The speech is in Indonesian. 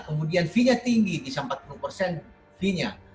kemudian fee nya tinggi bisa empat puluh persen fee nya